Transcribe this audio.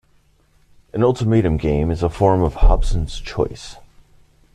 An ultimatum game is a form of Hobson's choice.